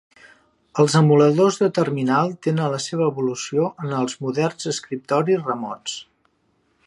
Els emuladors de terminal tenen la seva evolució en els moderns escriptoris remots.